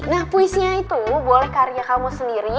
nah puisinya itu boleh karya kamu sendiri